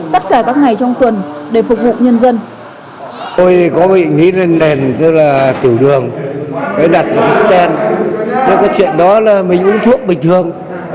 tất cả các ngày trong tuần để phục vụ nhân dân